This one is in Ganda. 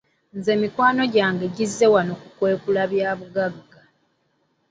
Nze mikwano gyange nzize wano kukwekula bya bugagga